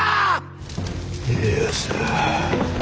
家康。